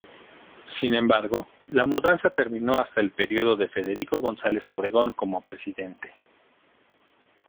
Sin embargo, la mudanza terminó hasta el período de Federico González Obregón como presidente.